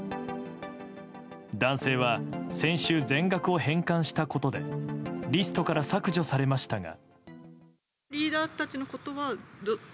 男性は、先週全額を返還したことでリストから削除されましたが。